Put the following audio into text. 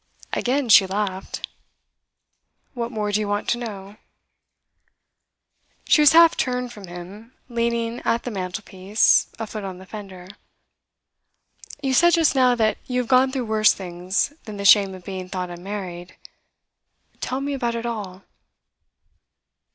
Again she laughed. 'What more do you want to know?' She was half turned from him, leaning at the mantelpiece, a foot on the fender. 'You said just now that you have gone through worse things than the shame of being thought unmarried. Tell me about it all.